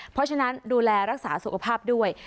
เพราะฉะนั้นดูแลรักษาสุขภาพด้วย